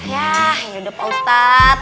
yah yaudah pak ustadz